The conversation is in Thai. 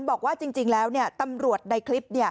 บอกว่าจริงแล้วตำรวจในคลิป